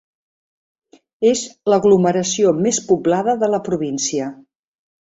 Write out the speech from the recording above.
És l'aglomeració més poblada de la província.